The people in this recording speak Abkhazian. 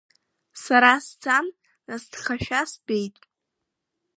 Сара сцан насҭхашәа стәеит.